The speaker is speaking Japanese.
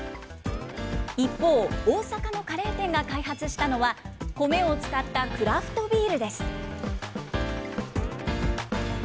一方、大阪のカレー店が開発したのは、コメを使ったクラフトビールです。